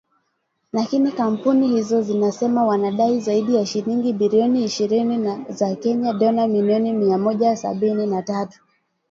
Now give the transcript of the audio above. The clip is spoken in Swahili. Lakini kampuni hizo zinasema wanadai zaidi ya shilingi bilioni ishirini za Kenya (dola milioni mia moja sabini na tatu)